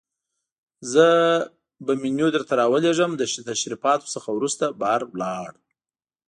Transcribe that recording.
زه به منیو درته راولېږم، له تشریفاتو څخه وروسته بهر ولاړ.